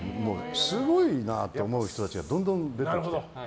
すごいなと思う人たちがどんどん出てきて。